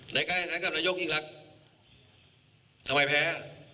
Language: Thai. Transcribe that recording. ในการการการการนายกยิ่งรักทำไมแพ้